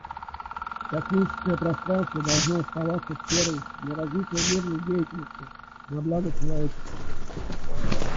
Космическое пространство должно оставаться сферой для развития мирной деятельности на благо человечества.